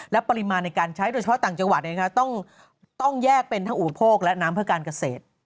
และปริมาณในการใช้โดยเฉพาะต่างจังหวัดต้องแยกเป็นทั้งอุปโภคและน้ำเพื่อการเกษตร